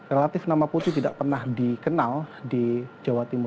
relatif nama putih tidak pernah dikenal di jawa timur